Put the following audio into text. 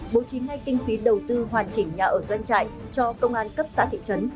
bố trí ngay kinh phí đầu tư hoàn chỉnh nhà ở doanh trại cho công an cấp xã thị trấn